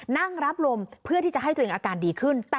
นั่งรับลมเพื่อที่จะให้ตัวเองอาการดีขึ้น